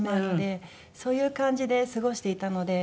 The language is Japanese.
そういう感じで過ごしていたので。